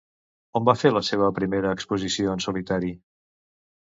On va fer la seva primera exposició en solitari?